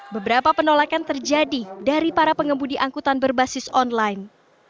beberapa penolakan terjadi dari para pengemudi angkutan berbasis online